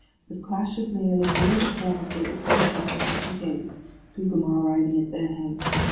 With clash of mail and noise of horns they issued from the city gate, Gugemar riding at their head.